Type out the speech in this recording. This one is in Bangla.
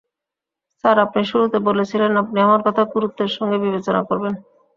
স্যার, আপনি শুরুতে বলেছিলেন, আপনি আমার কথা গুরুত্বের সঙ্গে বিবেচনা করবেন।